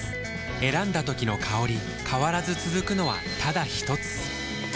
選んだ時の香り変わらず続くのはただひとつ？